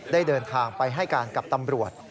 ได้เดินทางไปให้การกับตำรวจ